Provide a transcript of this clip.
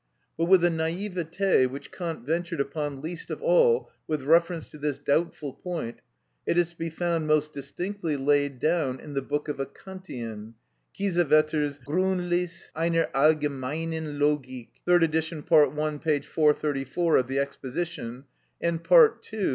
But with a naïveté which Kant ventured upon least of all with reference to this doubtful point, it is to be found most distinctly laid down in the book of a Kantian, Kiesewetter's "Grundriss einer algemeinen Logik," third edition, part i., p. 434 of the exposition, and part ii.